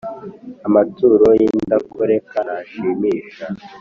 amaturo y’indakoreka ntashimisha.